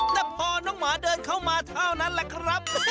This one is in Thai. แต่พอน้องหมาเดินเข้ามาเท่านั้นแหละครับ